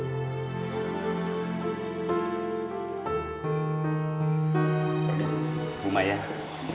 saya devamkan berharapan sama tu savee